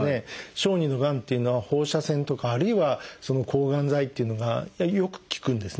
小児のがんというのは放射線とかあるいは抗がん剤っていうのがよく効くんですね。